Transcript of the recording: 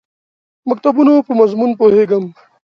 مکتوبونو په مضمون پوهېږم.